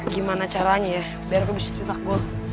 gimana caranya ya biar aku bisa cetak gol